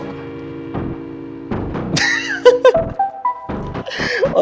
oh keren gitu coba